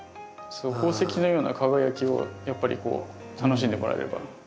宝石のような輝きをやっぱりこう楽しんでもらえれば。